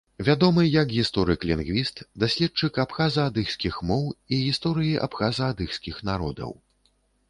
Вядомы як гісторык і лінгвіст, даследчык абхаза-адыгскіх моў і гісторыі абхаза-адыгскіх народаў.